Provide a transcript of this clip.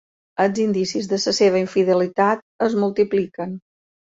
Els indicis de la seva infidelitat es multipliquen.